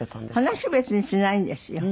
話別にしないんですよ。